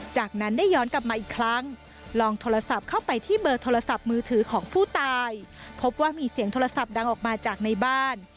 จากนั้นได้ย้อนกลับมาอีกครั้งลองโทรศัพท์เข้าไปที่เบอร์โทรศัพท์มือถือของผู้ตายพบว่ามีเสียงโทรศัพท์ดังออกมาจากในบ้าน